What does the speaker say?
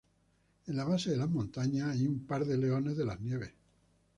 En la base de las montañas hay un par de leones de las nieves.